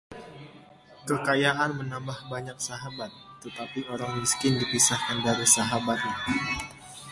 Kekayaan menambah banyak sahabat, tetapi orang miskin dipisahkan dari sahabatnya.